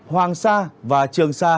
hoàng sa và trường sa